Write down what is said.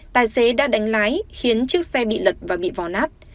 tài xế đã đánh lái khiến chiếc xe bị lật và bị vò nát